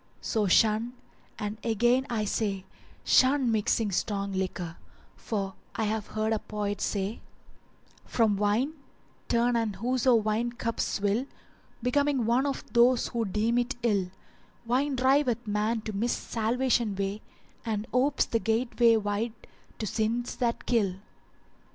So shun, and again I say, shun mixing strong liquor; for I have heard a poet say [FN#392]:— From wine [FN#393] I turn and whoso wine cups swill; * Becoming one of those who deem it ill: Wine driveth man to miss salvation way, [FN#394] * And opes the gateway wide to sins that kill.